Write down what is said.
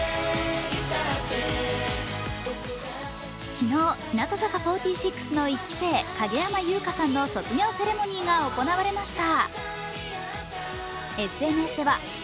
昨日、日向坂４６の１期生影山優佳さんの卒業セレモニーが行われました。